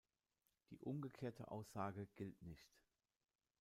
Die umgekehrte Aussage gilt nicht.